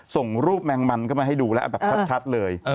ส่งรูปแมงมันเข้ามาให้ดูแล้วเอาแบบชัดเลย